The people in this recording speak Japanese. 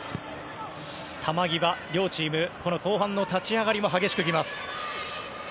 球際、両チーム後半の立ち上がりも激しくいきます。